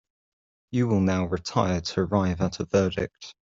You will now retire to arrive at a verdict.